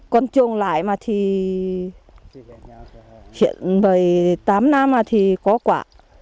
còn trùng lại thì bảy tám năm thì có quả